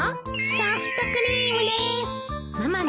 ソフトクリームです。